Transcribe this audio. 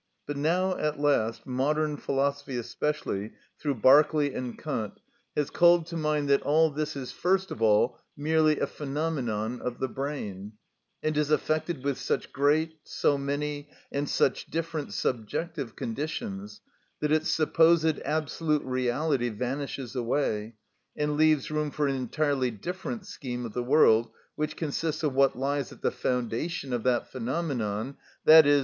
But now at last modern philosophy especially through Berkeley and Kant, has called to mind that all this is first of all merely a phenomenon of the brain, and is affected with such great, so many, and such different subjective conditions that its supposed absolute reality vanishes away, and leaves room for an entirely different scheme of the world, which consists of what lies at the foundation of that phenomenon, _i.e.